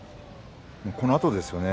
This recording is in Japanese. そのあとですね。